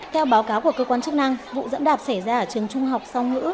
theo báo cáo của cơ quan chức năng vụ dẫm đạp xảy ra ở trường trung học song ngữ